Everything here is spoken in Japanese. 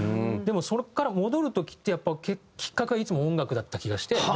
でもそこから戻る時ってやっぱきっかけはいつも音楽だった気がして。